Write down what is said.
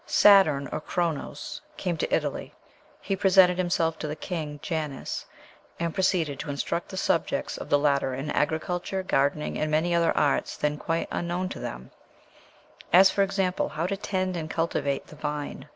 Saturn, or Chronos, came to Italy: he presented himself to the king, Janus, "and proceeded to instruct the subjects of the latter in agriculture, gardening, and many other arts then quite unknown to them; as, for example, how to tend and cultivate the vine.